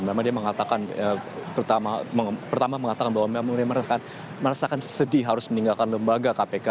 memang dia mengatakan pertama mengatakan bahwa memang dia merasakan sedih harus meninggalkan lembaga kpk